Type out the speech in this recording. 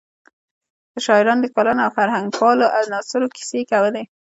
د شاعرانو، لیکوالو او فرهنګپالو عناصرو کیسې کولې.